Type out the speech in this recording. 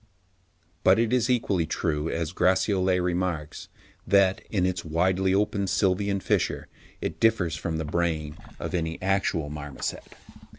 But it is equally true, as Gratiolet remarks, that, in its widely open sylvian fissure, it differs from the brain of any actual marmoset.